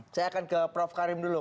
saya akan ke prof karim dulu